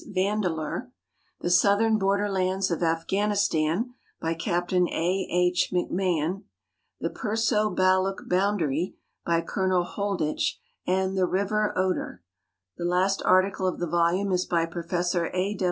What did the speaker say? Vandeleur; "The Southern Borderlands of Af ghanistan," by Captain A. H. McMahon; "The Perso Baluch Bound ary," by Colonel Holdich, and "The River Oder." The last article of the volume is by Professor A.